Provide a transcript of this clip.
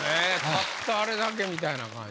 たったあれだけみたいな感じ。